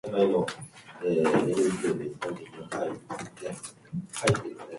今日も疲れたな。でもまだまだいける。もっと頑張りたい。